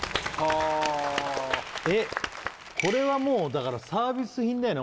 これはもうだからサービス品だよね